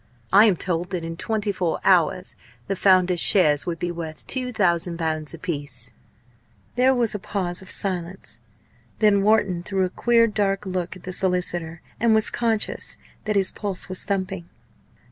I am told that in twenty four hours the Founder's Shares would be worth 2,000 l. apiece!" There was a pause of silence. Then Wharton threw a queer dark look at the solicitor, and was conscious that his pulse was thumping.